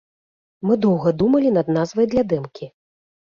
Мы доўга думалі над назвай для дэмкі.